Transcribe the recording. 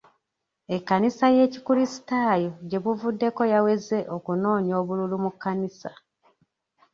Ekkanisa y'ekrisitaayo gye buvuddeko yaweze okunoonya obululu mu kkanisa.